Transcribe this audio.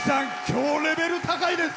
今日レベル高いです！